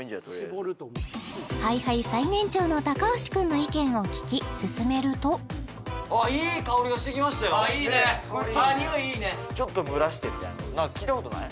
ＨｉＨｉ最年長の橋君の意見を聞き進めるとああいいねああ匂いいいねちょっと蒸らしてみたいなの聞いたことない？